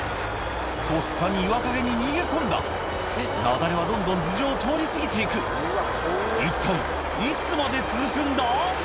とっさに岩陰に逃げ込んだ雪崩はどんどん頭上を通り過ぎていく一体いつまで続くんだ？